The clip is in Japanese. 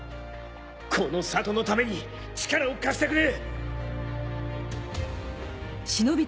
この里のために力を貸してくれ！